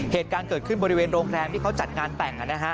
เหตุการณ์เกิดขึ้นบริเวณโรงแรมที่เขาจัดงานแต่ง